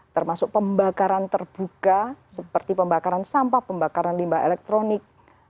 termasuk pembakaran terbuka seperti pembakaran sampah pembakaran limbah elektronik